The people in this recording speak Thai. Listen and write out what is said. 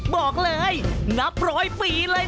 บอกเลยนับร้อยปีเลย